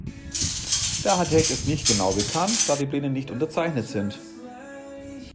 Der Architekt ist nicht genau bekannt, da die Pläne nicht unterzeichnet sind.